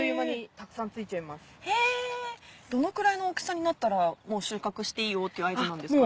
へぇどのぐらいの大きさになったらもう収穫していいよっていう合図なんですかね？